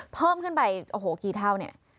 เพิ่มขึ้นไปโอ้โหกี่เท่าเนี่ย